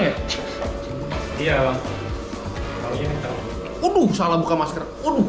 aduh salah buka masker